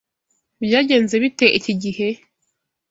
Byagenze bite iki gihe?